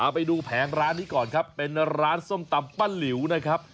ไปดูแผงร้านนี้ก่อนครับเป็นร้านส้มตำป้าหลิวนะครับ